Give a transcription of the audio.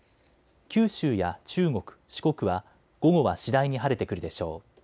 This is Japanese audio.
九州や中国、四国は午後は次第に晴れてくるでしょう。